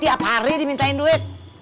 tiap hari dimintain duit